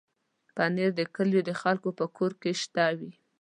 پنېر د کلیو د خلکو په کور کې شته وي.